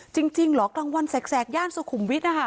จริงเหรอกลางวันแสกย่านสุขุมวิทย์นะคะ